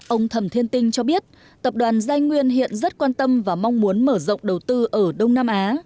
ông thầm thiên tinh cho biết tập đoàn giai nguyên hiện rất quan tâm và mong muốn mở rộng đầu tư ở đông nam á